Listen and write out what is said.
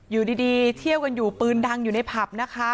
อยู่ดีเที่ยวกันอยู่ปืนดังอยู่ในผับนะคะ